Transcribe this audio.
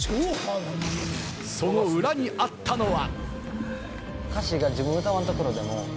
その裏にあったのは。